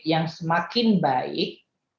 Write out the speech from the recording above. yang semakin baik